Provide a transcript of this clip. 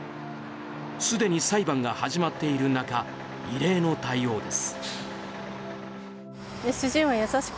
すでに裁判が始まっている中異例の対応です。